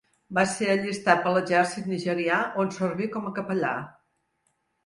Va ser allistat per l'exèrcit nigerià, on serví com a capellà.